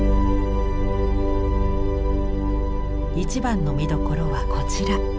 一番の見どころはこちら。